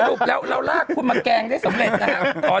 รุปแล้วเราลากคุณมาแกงได้สำเร็จนะครับ